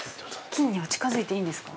◆菌には近づいていいんですか。